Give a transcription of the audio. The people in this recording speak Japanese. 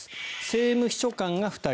政務秘書官が２人。